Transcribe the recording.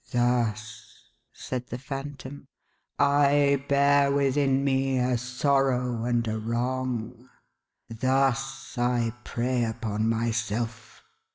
" Thus," said the Phantom, " I bear within me a Sorrow and a Wrong. Thus I prey upon myself.